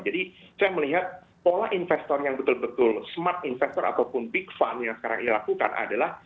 saya melihat pola investor yang betul betul smart investor ataupun big fund yang sekarang ia lakukan adalah